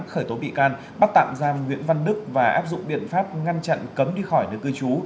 khởi tố bị can bắt tạm giam nguyễn văn đức và áp dụng biện pháp ngăn chặn cấm đi khỏi nơi cư trú